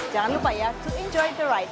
jangan lupa ya to enjoy the right